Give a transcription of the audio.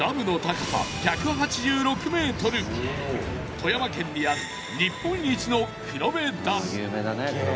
富山県にある日本一の有名だね